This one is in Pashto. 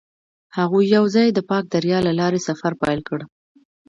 هغوی یوځای د پاک دریا له لارې سفر پیل کړ.